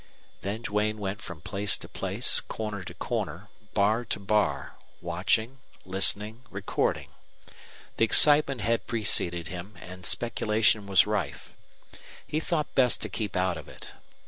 Then Duane went from place to place, corner to corner, bar to bar, watching, listening, recording. The excitement had preceded him, and speculation was rife. He thought best to keep out of it.